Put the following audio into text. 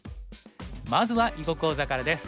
まずは囲碁講座からです。